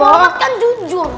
tapi muhammad kan jujur